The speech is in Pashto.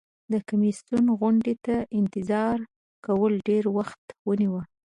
د کمیسیون غونډې ته انتظار کول ډیر وخت ونیو.